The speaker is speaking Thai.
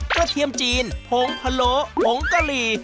เทียมจีนผงพะโลผงกะหรี่